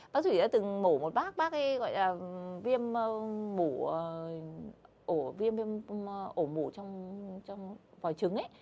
bác thủy đã từng mổ một bác bác ấy gọi là viêm ổ mủ trong vòi trứng